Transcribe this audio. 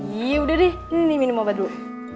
yaudah deh ini minum obat dulu